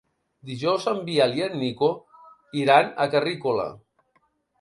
Dijous en Biel i en Nico iran a Carrícola.